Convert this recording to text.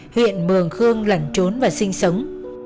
huyện mường khương lẩn trốn và sinh sống